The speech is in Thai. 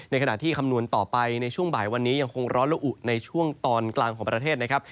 ขณะที่คำนวณต่อไปในช่วงบ่ายวันนี้ยังคงร้อนละอุในช่วงตอนกลางของประเทศนะครับ